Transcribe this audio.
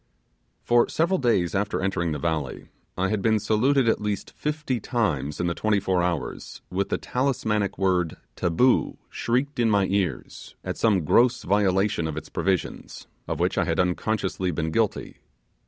For several days after entering the valley I had been saluted at least fifty times in the twenty four hours with the talismanic word 'Taboo' shrieked in my ears, at some gross violation of its provisions, of which I had unconsciously been guilty.